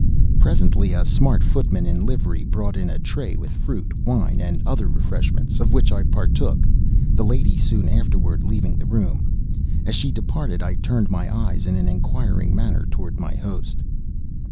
Presently a smart footman in livery brought in a tray with fruit, wine, and other refreshments, of which I partook, the lady soon afterward leaving the room. As she departed I turned my eyes in an inquiring manner toward my host.